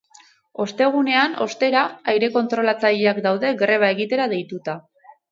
Ostegunean, ostera, aire kontrolatzaileak daude greba egitera deituta.